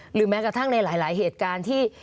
แม้กระทั่งในหลายเหตุการณ์ที่